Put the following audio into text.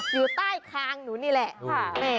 อยู่ใต้คางหนูนี่แหละ